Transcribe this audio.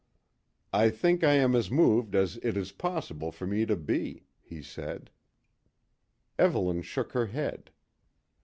"I think I am as moved as it is possible for me to be," he said. Evelyn shook her head.